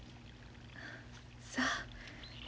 さあ。